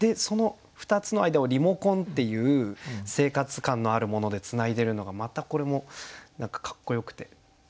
その２つの間を「リモコン」っていう生活感のあるものでつないでるのがまたこれも何かかっこよくて。